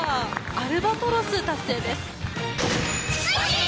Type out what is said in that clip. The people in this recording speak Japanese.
アルバトロス達成です。